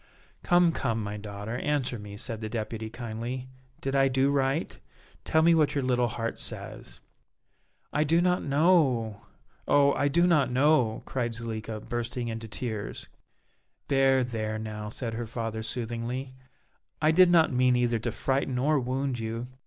"Come, come, my daughter, answer me," said the Deputy, kindly, "did I do right? Tell me what your little heart says." "I do not know, oh! I do not know!" cried Zuleika, bursting into tears. "There, there now," said her father, soothingly; "I did not mean either to frighten or wound you.